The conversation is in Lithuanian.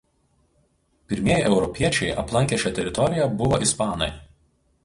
Pirmieji europiečiai aplankę šią teritoriją buvo ispanai.